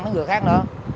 mấy người khác nữa